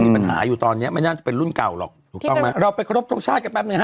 มีปัญหาอยู่ตอนเนี้ยไม่น่าจะเป็นรุ่นเก่าหรอกถูกต้องไหมเราไปครบทรงชาติกันแป๊บหนึ่งฮ